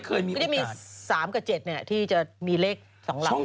ก็จะมี๓กับ๗เนี่ยที่จะมีเลขสองหลัก